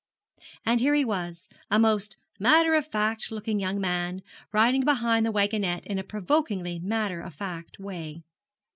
And here he was, a most matter of fact looking young man, riding behind the wagonette in a provokingly matter of fact way.